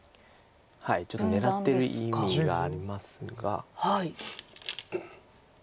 ちょっと狙ってる意味がありますが。